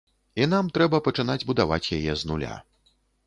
І нам трэба пачынаць будаваць яе з нуля.